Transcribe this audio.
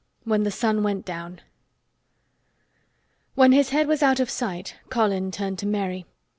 WHEN THE SUN WENT DOWN When his head was out of sight Colin turned to Mary.